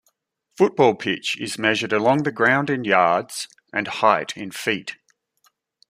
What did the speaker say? Football pitch is measured along the ground in yards and height in feet.